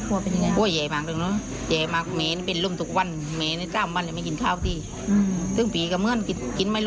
เวลาต้องเลือกเรื่องแล้ว